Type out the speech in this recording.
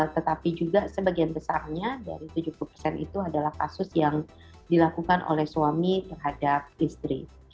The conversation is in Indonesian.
tetapi juga sebagian besarnya dari tujuh puluh persen itu adalah kasus yang dilakukan oleh suami terhadap istri